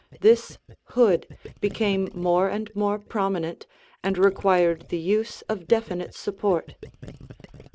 This hood became more and more prominent and required the use of definite support.